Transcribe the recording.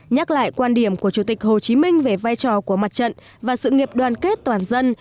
nhắc lại quan điểm của chủ tịch hồ chí minh về vai trò của mặt trận và sự nghiệp đoàn kết toàn dân